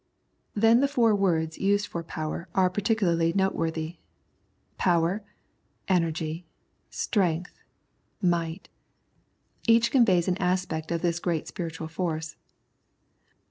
Then the four words used for power are particu larly noteworthy :" power," " energy," " strength," " might." Each conveys an aspect of this great spiritual force.